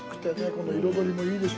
この彩りもいいでしょ。